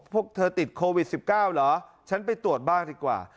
พวกเธอติดโควิด๑๙เหรอฉันไปตรวจบ้างดีกว่า